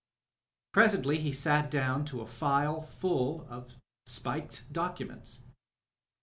Presently he sat down to a file full of spiked documents.